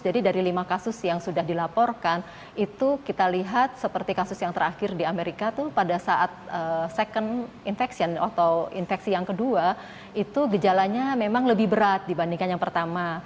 jadi dari lima kasus yang sudah dilaporkan itu kita lihat seperti kasus yang terakhir di amerika itu pada saat second infection atau infeksi yang kedua itu gejalanya memang lebih berat dibandingkan yang pertama